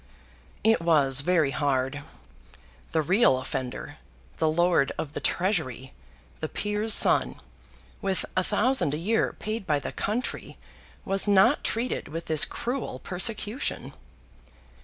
It was very hard. The real offender, the Lord of the Treasury, the peer's son, with a thousand a year paid by the country was not treated with this cruel persecution.